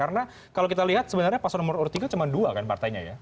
karena kalau kita lihat sebenarnya paslon nomor urut tiga cuma dua kan partainya ya